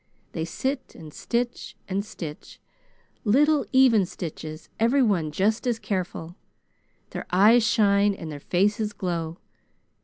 They sit and stitch, and stitch little, even stitches, every one just as careful. Their eyes shine and their faces glow.